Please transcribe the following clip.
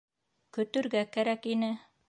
Көтөргә кәрәк ине.